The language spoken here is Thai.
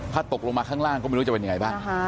ถ้าตกลงมาข้างล่างก็ไม่รู้จะเป็นยังไงบ้าง